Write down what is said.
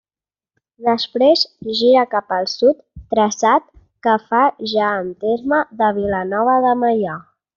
Després, gira cap al sud, traçat que fa ja en terme de Vilanova de Meià.